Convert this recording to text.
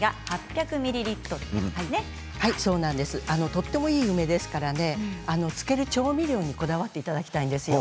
とってもいい梅ですから漬ける調味料に、こだわっていただきたいんですよ。